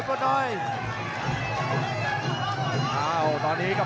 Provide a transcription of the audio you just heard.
ต้องการสวัสดีค่ะ